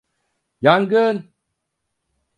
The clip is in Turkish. Yangın!